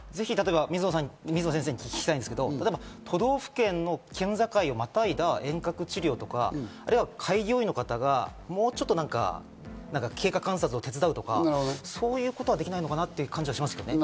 水野先生にお聞きしたいんですけど、都道府県の県境をまたいだ遠隔治療とか、開業医の方がもうちょっと経過観察を手伝うとか、そういうことはできないのかなって感じがします。